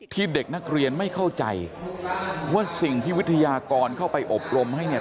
เด็กนักเรียนไม่เข้าใจว่าสิ่งที่วิทยากรเข้าไปอบรมให้เนี่ย